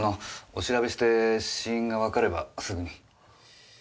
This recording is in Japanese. お調べして死因がわかればすぐに。